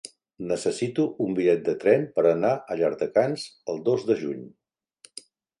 Necessito un bitllet de tren per anar a Llardecans el dos de juny.